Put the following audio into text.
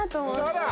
あら！